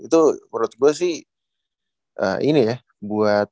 itu menurut gue sih ini ya